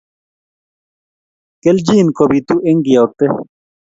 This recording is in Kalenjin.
Keljin kobitu eng kiyokte